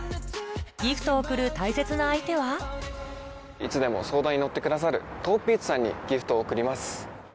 ギフトを贈る大切な相手はいつでも相談に乗ってくださるｔｏｆｕｂｅａｔｓさんにギフトを贈ります。